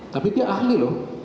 tapi dia ahli loh